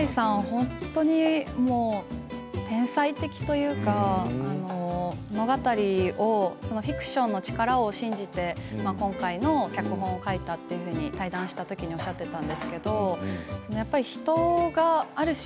本当に天才的というか物語のフィクションの力を信じて今回の脚本を書いたと対談したときにおっしゃっていたんですけど人がある種